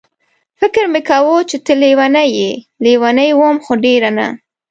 فکر مې کاوه چې ته لېونۍ یې، لېونۍ وم خو ډېره نه.